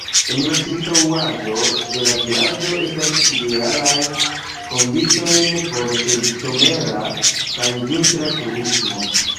En la ĉirkaŭaĵo de la vilaĝo estas idealaj kondiĉojn por somera kaj vintra turismo.